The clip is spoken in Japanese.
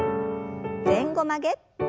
前後曲げ。